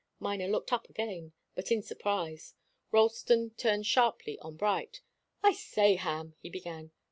Miner looked up again, but in surprise. Ralston turned sharply on Bright. "I say, Ham " he began.